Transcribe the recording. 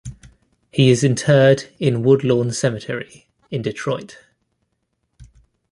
He is interred in Woodlawn Cemetery, in Detroit.